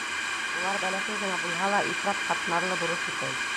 Улар, бәләкәй генә булһа ла, ифрат ҡатмарлы бурыс үтәй.